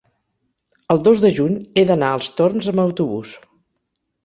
el dos de juny he d'anar als Torms amb autobús.